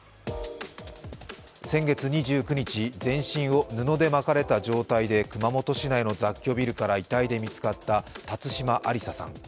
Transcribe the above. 先月２９日、全身を布で巻かれた状態で熊本市内の雑居ビルから遺体で見つかった辰島ありささん。